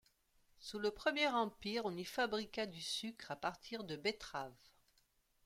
Sous le Premier Empire, on y fabriqua du sucre à partir de betteraves.